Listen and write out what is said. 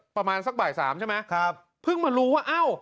ประมาณสักบ่ายสามใช่ไหมครับเพิ่งมารู้ว่าเอ้า